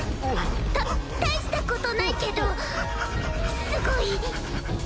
た大したことないけどすごい。